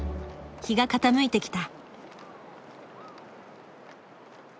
日が傾いてきた。